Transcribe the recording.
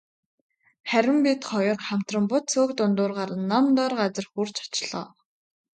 Харин бид хоёр хамтран бут сөөг дундуур гаран нам доор газарт хүрч очлоо.